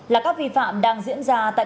là các vi phạm đang diễn ra trong khu dân cư